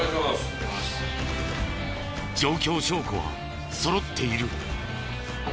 状況証拠はそろっている。